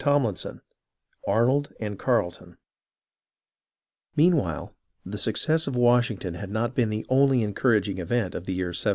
CHAPTER XVI ARNOLD AND CARLETON Meanwhile, the success of Washington had not been the only encouraging event of the year 1776.